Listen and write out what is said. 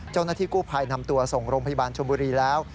เจ้าหน้าที่กู้ภัยนำตัวส่งโรงพยาบาลชมบุรีแล้ว